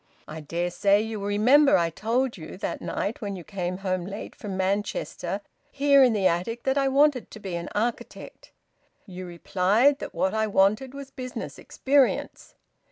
I dare say you will remember I told you that night when you came home late from Manchester here in the attic that I wanted to be an architect. You replied that what I wanted was business experience.